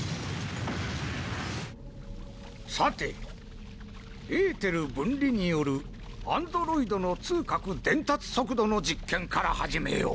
さてエーテル分離によるアンドロイドの痛覚伝達速度の実験から始めよう。